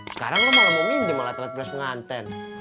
sekarang lo malah mau minjem alat alat prihas pengantin